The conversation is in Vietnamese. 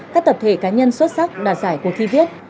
các tập thể cá nhân xuất sắc đạt giải cuộc thi viết